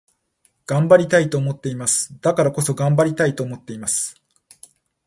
頑張りたいと思っています。だからこそ、頑張りたいと思っています。